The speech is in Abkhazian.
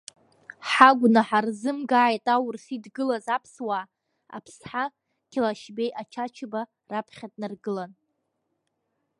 Ҳагәнаҳа рзымгааит аурыс идгылаз аԥсуаа, Аԥсҳа, Қьалашьбеи Ачачба раԥхьа днаргылан.